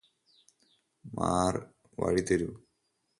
മാറ് വഴി തരൂ